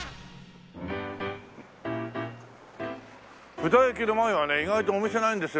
布田駅の前はね意外とお店ないんですよ。